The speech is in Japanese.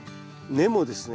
根もですね